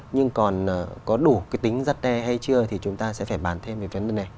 nhưng còn có đủ cái tính rắt đe hay chưa thì chúng ta sẽ phải bàn thêm về vấn đề này